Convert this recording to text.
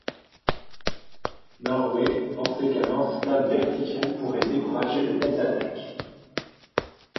Norway pensait qu’un lance-flammes vertical pourrait décourager de telles attaques.